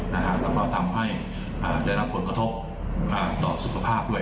แล้วก็ทำให้ได้รับผลกระทบต่อสุขภาพด้วย